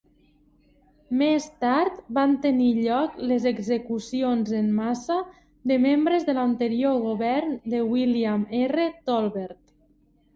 Més tard van tenir lloc les execucions en massa de membres de l'anterior govern de William R. Tolbert.